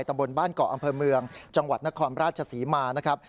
ตำบลบ้านเกาะอำเภอเมืองจังหวัดนครราชศรีมานะครับ